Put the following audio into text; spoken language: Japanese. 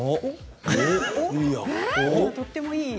とてもいい。